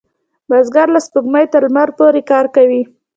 بزګر له سپوږمۍ تر لمر پورې کار کوي